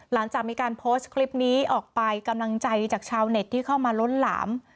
หลังจากมีการโพสต์คลิปนี้ออกไปกำลังใจจากชาวเน็ตที่เข้ามาล้นหลาม